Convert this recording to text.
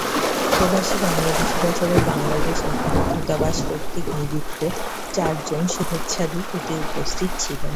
প্রবাসী বাংলাদেশিরা ছাড়াও বাংলাদেশ দূতাবাস কর্তৃক নিযুক্ত চারজন শুভেচ্ছাদূত এতে উপস্থিত ছিলেন।